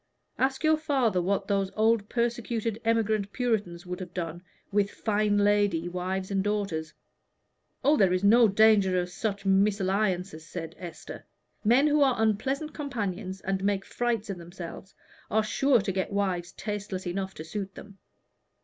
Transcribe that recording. Ask your father what those old persecuted emigrant Puritans would have done with fine lady wives and daughters." "Oh, there is no danger of such mésalliances," said Esther. "Men who are unpleasant companions and make frights of themselves, are sure to get wives tasteless enough to suit them."